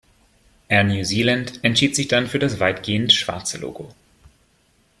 Air New Zealand entschied sich dann für das weitgehend schwarze Logo.